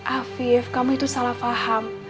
afif kamu itu salah paham